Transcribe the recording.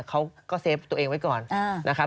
เขาก็เซฟตัวเองไว้ก่อนนะครับ